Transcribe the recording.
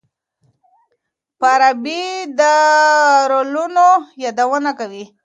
فارابي د رولونو يادونه کوي.